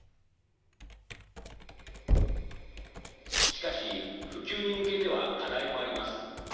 しかし普及に向けては課題もあります。